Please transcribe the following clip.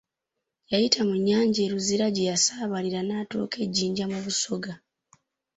Yayita mu nnyanja, e Luzira gye yasaabalira n'atuuka e Jjinja mu Busoga.